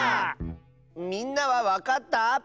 みんなはわかった？